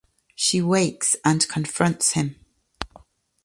She wakes and confronts him.